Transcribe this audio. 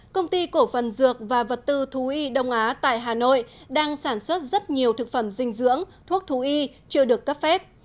công ty cổ phần dược và vật tư thú y đông á tại hà nội đang sản xuất rất nhiều thực phẩm dinh dưỡng thuốc thú y chưa được cấp phép